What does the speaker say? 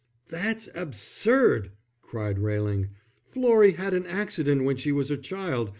"That's absurd!" cried Railing. "Florrie had an accident when she was a child.